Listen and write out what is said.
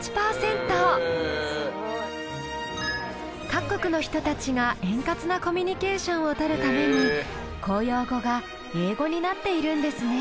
各国の人たちが円滑なコミュニケーションを取るために公用語が英語になっているんですね。